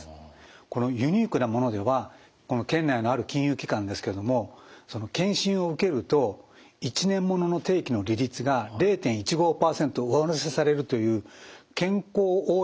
このユニークなものではこの県内のある金融機関ですけれども健診を受けると１年ものの定期の利率が０．１５％上乗せされるという健康応援